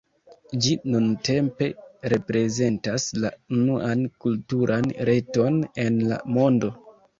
Ĝi nuntempe reprezentas la unuan kulturan reton en la mondo.